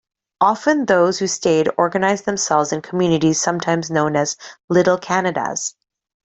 Often those who stayed organized themselves in communities sometimes known as Little Canadas.